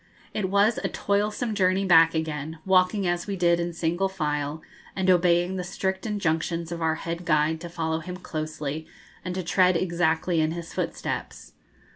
It was a toilsome journey back again, walking as we did in single file, and obeying the strict injunctions of our head guide to follow him closely, and to tread exactly in his footsteps.